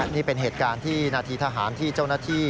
นี่เป็นเหตุการณ์ที่นาทีทหารที่เจ้าหน้าที่